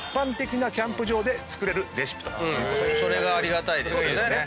それがありがたいですよね。